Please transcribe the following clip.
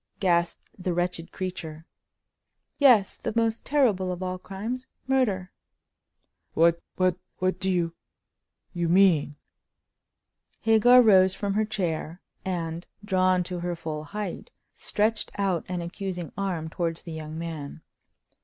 gasped the wretched creature. "Yes—the most terrible of all crimes—murder!" "What—what—what do you—you mean?" Hagar rose from her chair, and, drawn to her full height, stretched out an accusing arm towards the young man.